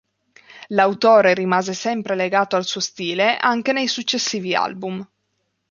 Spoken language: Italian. L'autore rimase sempre legato al suo stile anche nei successivi album.